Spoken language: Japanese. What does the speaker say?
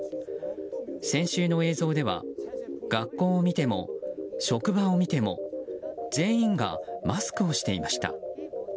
先週の映像では、学校を見ても職場を見ても全員がマスクをしていました。